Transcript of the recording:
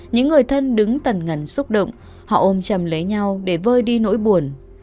những người thân đứng tần ngẩn xúc động họ ôm chầm lấy nhau để vơi đi nỗi buồn